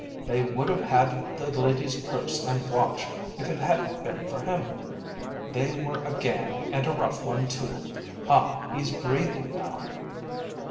“They would have had the lady’s purse and watch if it hadn’t been for him. They were a gang, and a rough one, too. Ah, he’s breathing now.